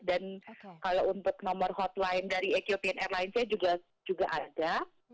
dan kalau untuk nomor hotline dari etiopian airlines nya juga ada